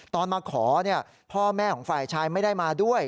ตอนมาขอพ่อแม่ของฝ่ายชายไม่ได้มาด้วย